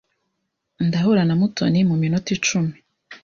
Ndahura na Mutoni muminota icumi.